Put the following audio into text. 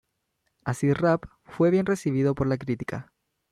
Acid Rap fue bien recibido por la crítica.